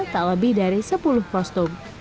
tak lebih dari sepuluh kostum